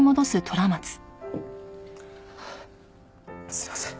すいません。